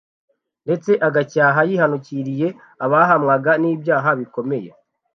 ndetse agacyaha yihanukiriye abahamwaga n’ibyaha bikomeye